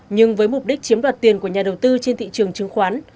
nhưng với mục đích chiếm đoạt tiền của nhà đầu tư trên thị trường chứng khoán